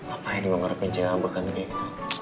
apaan lu ngarepnya cengabekan kayak gitu